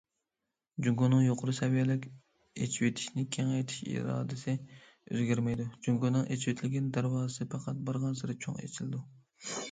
جۇڭگونىڭ يۇقىرى سەۋىيەلىك ئېچىۋېتىشنى كېڭەيتىش ئىرادىسى ئۆزگەرمەيدۇ، جۇڭگونىڭ ئېچىۋېتىلگەن دەرۋازىسى پەقەت بارغانسېرى چوڭ ئېچىلىدۇ.